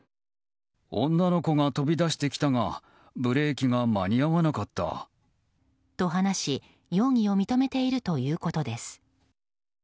女の子が飛び出してきたがブレーキが間に合わなかった。と話し、容疑を認めているということです。